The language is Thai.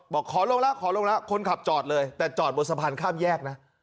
บอกขอลงแล้วขอลงแล้วคนขับจอดเลยแต่จอดบนสะพานข้ามแยกนะ